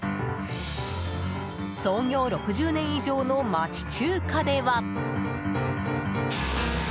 創業６０年以上の町中華では。